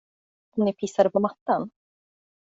Om ni pissade på mattan?